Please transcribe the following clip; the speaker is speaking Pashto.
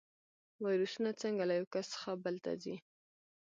ویروسونه څنګه له یو کس بل ته ځي؟